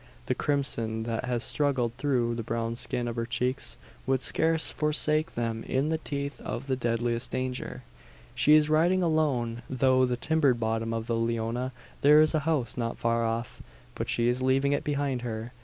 The crimson that has struggled through the brown skin of her cheeks would scarce forsake them in the teeth of the deadliest danger. She is riding alone, through the timbered bottom of the Leona. There is a house not far off; but she is leaving it behind her.